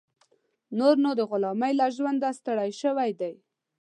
نور نو د غلامۍ له ژونده ستړی شوی دی.